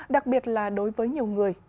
đặc biệt là đối với nhiều người